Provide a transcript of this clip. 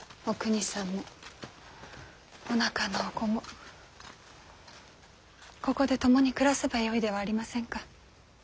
おくにさんもおなかのお子もここで共に暮らせばよいではありませんか。